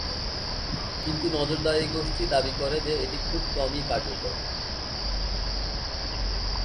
কিন্তু নজরদারি গোষ্ঠী দাবি করে যে এটি খুব কমই কার্যকর।